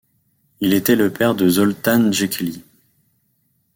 Il était le père de Zoltán Jékely.